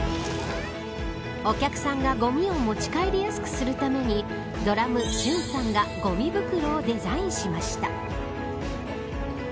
お客さんがごみを持ち帰りやすくするためにドラム、俊さんがごみ袋をデザインしました。